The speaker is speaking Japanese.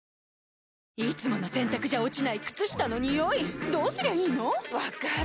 いつもの洗たくじゃ落ちない靴下のニオイどうすりゃいいの⁉分かる。